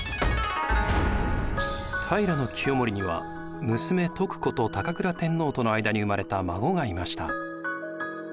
平清盛には娘・徳子と高倉天皇との間に生まれた孫がいました。